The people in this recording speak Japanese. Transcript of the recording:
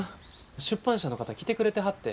出版社の方来てくれてはって。